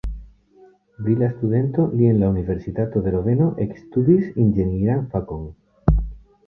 Brila studento, li en la universitato de Loveno ekstudis inĝenieran fakon.